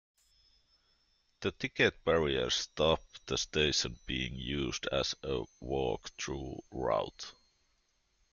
The ticket barriers stop the station being used as a walk through route.